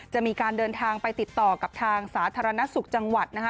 จะมีการเดินทางไปติดต่อกับทางสาธารณสุขจังหวัดนะคะ